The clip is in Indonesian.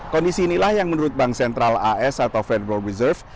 kondisi inilah yang menurut bank sentral as atau federal reserve